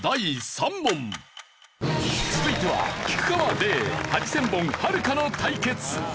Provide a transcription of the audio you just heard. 続いては菊川怜ハリセンボンはるかの対決。